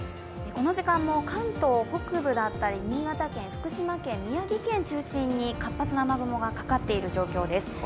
この時間も関東北部だったり新潟県、福島県、宮城県を中心に活発な雨雲がかかっている状況です。